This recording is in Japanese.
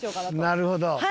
なるほど。